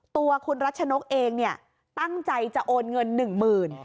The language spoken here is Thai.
ตัวคุณรัชนกเองเนี่ยตั้งใจจะโอนเงินหนึ่งหมื่น